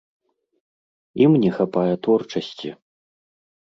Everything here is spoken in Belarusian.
Ім не хапае творчасці.